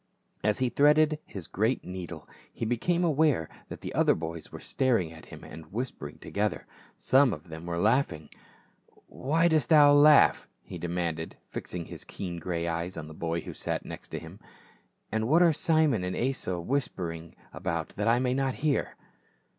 As he threaded his great needle he became aware that the other boys were staring at him and whispering to gether ; some of them were laughing. "Why dost thou laugh?" he demanded, fixing his keen grey eyes on the boy who sat next him. "And what are Simon and Asa whispering about that I may not hear